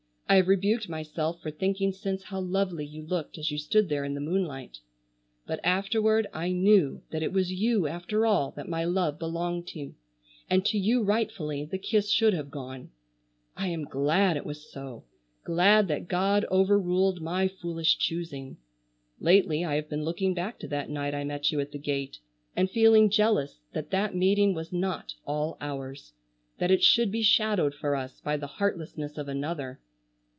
I have rebuked myself for thinking since how lovely you looked as you stood there in the moonlight. But afterward I knew that it was you after all that my love belonged to, and to you rightfully the kiss should have gone. I am glad it was so, glad that God overruled my foolish choosing. Lately I have been looking back to that night I met you at the gate, and feeling jealous that that meeting was not all ours; that it should be shadowed for us by the heartlessness of another.